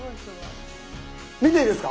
見ていいですか？